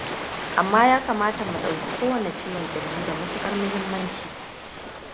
amma ya kamata mu ɗauke kowane ciwon kirji da matuƙar mahimmanci